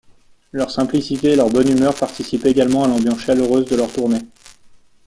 Leur simplicité et leur bonne humeur participent également à l'ambiance chaleureuse de leurs tournées.